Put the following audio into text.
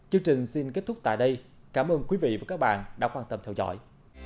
chương trình xin kết thúc tại đây cảm ơn quý vị và các bạn đã quan tâm theo dõi